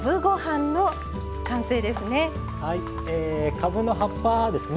かぶの葉っぱですね